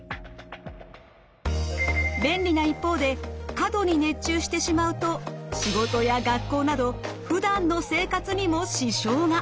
便利な一方で過度に熱中してしまうと仕事や学校などふだんの生活にも支障が。